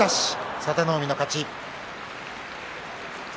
佐田の海の勝ち。